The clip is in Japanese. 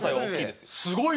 すごい！